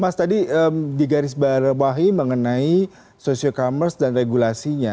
mas tadi di garis barang bahi mengenai social commerce dan regulasinya